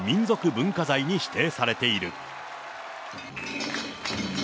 文化財に指定されている。